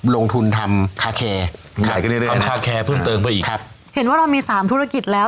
ลงทุนทำคาแคร์ขายกันเรื่อยทำคาแคร์เพิ่มเติมไปอีกครับเห็นว่าเรามีสามธุรกิจแล้ว